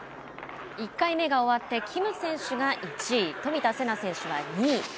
１回目が終わってキム選手が１位冨田せな選手が２位。